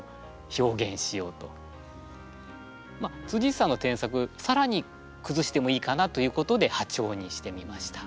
まっ内さんの添削さらにくずしてもいいかなということで破調にしてみました。